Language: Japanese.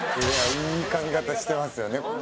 いい髪形してますよねおやじ。